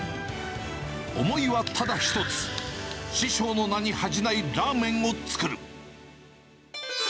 思いはただ一つ、師匠の名に恥じないラーメンを作る。